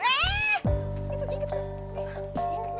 ih itu dikit tuh